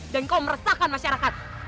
dan kau meresahkan masyarakat